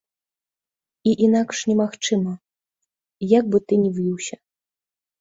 І інакш немагчыма, як бы ты ні віўся.